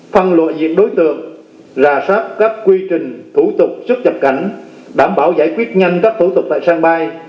phân loại diện đối tượng rà sát các quy trình thủ tục xuất nhập cảnh đảm bảo giải quyết nhanh các thủ tục tại sân bay